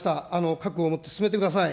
覚悟をもって進めてください。